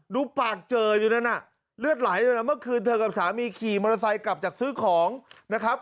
ดูปากเจออยู่นั่นน่ะเลือดไหลเลยนะเมื่อคืนเธอกับสามีขี่มอเตอร์ไซค์กลับจากซื้อของนะครับ